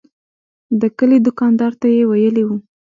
د کلي دوکاندار ته یې ویلي و.